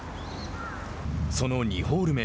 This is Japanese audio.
その２ホール目。